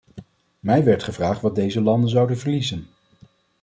Mij werd gevraagd wat deze landen zouden verliezen.